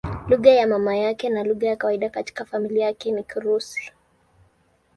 Lugha ya mama yake na lugha ya kawaida katika familia yake ni Kirusi.